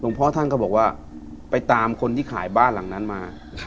พ่อท่านก็บอกว่าไปตามคนที่ขายบ้านหลังนั้นมา